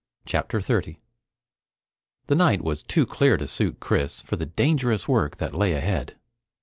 CHAPTER 30 The night was too clear to suit Chris for the dangerous work that lay ahead.